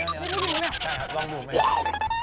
ตายแล้วแต่มันสดมาก